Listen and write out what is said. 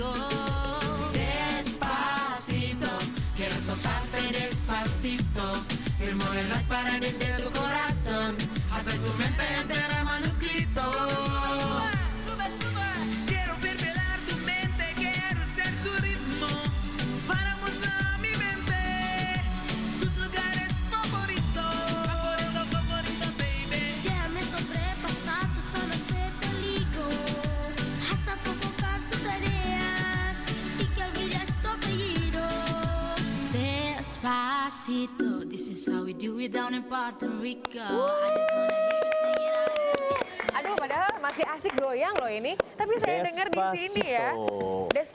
oh sedang menjaga adik oke